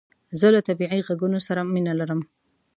زه له طبیعي عږونو سره مینه لرم